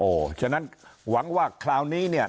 โอ้วเช่นนั้นหวังว่าคราวนี้เนี่ย